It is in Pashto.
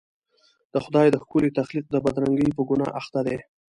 د خدای د ښکلي تخلیق د بدرنګۍ په ګناه اخته دي.